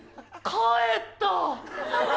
帰った。